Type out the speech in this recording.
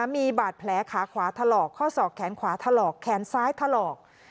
มีบาดแผลขาขวาถลอกข้อศอกแขนขวาถลอกแขนซ้ายถลอก